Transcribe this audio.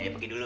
eh pergi dulu